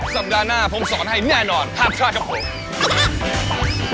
สัปดาห์หน้าผมสอนให้แน่นอนห้ามพลาดครับผม